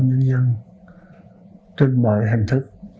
các nhân dân trên mọi hành thức